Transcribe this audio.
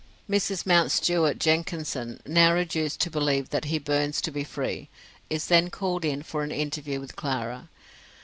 Mrs. Mountstuart Jenkinson, now reduced to believe that he burns to be free, is then called in for an interview with Clara.